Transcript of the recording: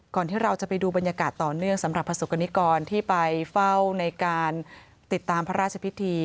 ที่เราจะไปดูบรรยากาศต่อเนื่องสำหรับประสบกรณิกรที่ไปเฝ้าในการติดตามพระราชพิธี